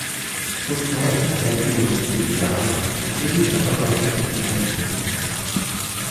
Otton, rompu au métier des armes, dirige la reconquête du Brandebourg.